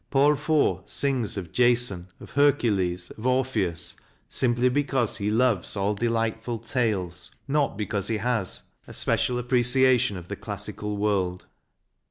Paul Fort sings of Jason, of Hercules, of Orpheus simply because he loves all delightful tales, not because he has a special appre ciation of the classical world.